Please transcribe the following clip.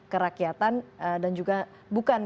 kerakyatan dan juga bukan